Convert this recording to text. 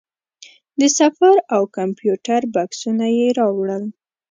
د سفر او کمپیوټر بکسونه یې راوړل.